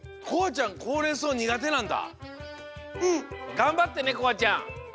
がんばってねこあちゃん！